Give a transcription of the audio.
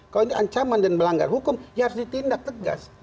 kalau ini ancaman dan melanggar hukum ya harus ditindak tegas